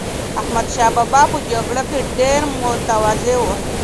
احمدشاه بابا په جګړه کې ډېر متواضع و.